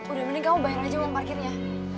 udah mending kamu bayar aja uang parkirnya